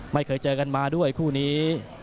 ไม่เคยเจอกันมาด้วยคู่นี้